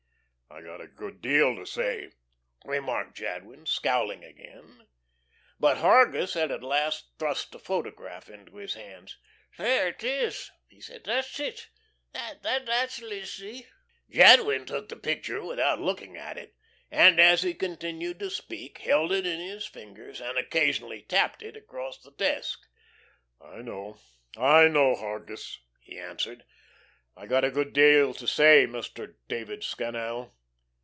"I got a good deal to say," remarked Jadwin, scowling again. But Hargus had at last thrust a photograph into his hands. "There it is," he said. "That's it. That's Lizzie." Jadwin took the picture without looking at it, and as he continued to speak, held it in his fingers, and occasionally tapped it upon the desk. "I know. I know, Hargus," he answered. "I got a good deal to say, Mr. David Scannel.